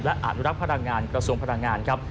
และอนุรักษ์พลังงานกระทรวงพลังงานครับ